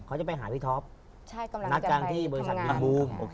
เขาจะไปหาพี่ท็อปนัดกลางที่บริษัทมีบูม